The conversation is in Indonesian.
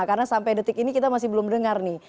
karena sampai detik ini kita masih belum dengar nih